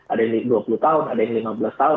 ada yang dua puluh tahun ada yang lima belas tahun